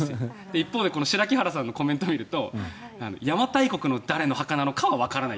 一方でこの白木原さんのコメントを見ると邪馬台国の誰の墓なのかはわからない。